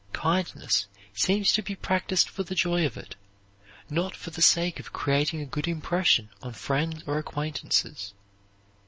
Kindness seems to be practised for the joy of it, not for the sake of creating a good impression on friends or acquaintances.